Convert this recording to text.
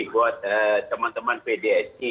buat teman teman pdsi